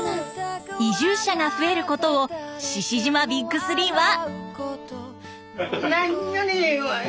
移住者が増えることを志々島ＢＩＧ３は。